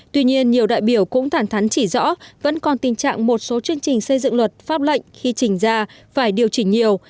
tuy nhiên nhiều đại biểu cũng thẳng thắn chỉ rõ vẫn còn tình trạng một số chương trình xây dựng luật pháp lệnh khi trình ra phải điều chỉnh nhiều